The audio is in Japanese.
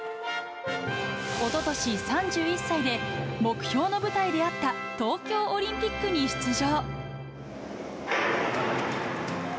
おととし、３１歳で目標の舞台であった東京オリンピックに出場。